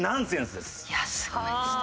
いやすごいですね。